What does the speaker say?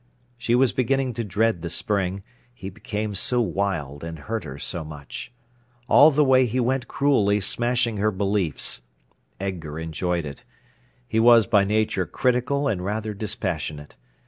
She was beginning to dread the spring: he became so wild, and hurt her so much. All the way he went cruelly smashing her beliefs. Edgar enjoyed it. He was by nature critical and rather dispassionate.